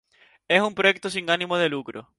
Es un proyecto sin ánimo de lucro.